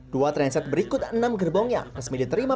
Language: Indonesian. dua transit berikut enam gerbong yang resmi diterima